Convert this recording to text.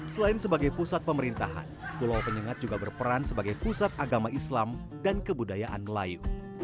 selain sebagai pusat pemerintahan pulau penyengat juga berperan sebagai pusat agama islam dan kebudayaan melayu